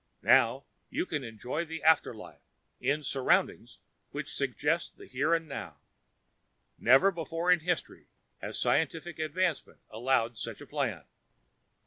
NOW YOU CAN ENJOY THE AFTER LIFE IN SURROUNDINGS WHICH SUGGEST THE HERE AND NOW. Never before in history has scientific advancement allowed such a plan."